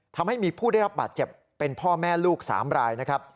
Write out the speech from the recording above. ทำให้มีผู้ได้รับบาดเจ็บเป็นพ่อแม่ลูก๓รายนะครับ